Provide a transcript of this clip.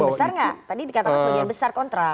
sebagian besar gak tadi dikatakan sebagian besar kontra